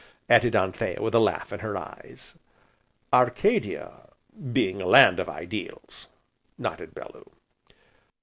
added Anthea with a laugh in her eyes. "Arcadia being a land of ideals!" nodded Bellew.